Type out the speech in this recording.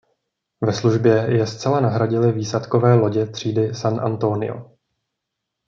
Ve službě je zcela nahradily výsadkové lodě třídy "San Antonio".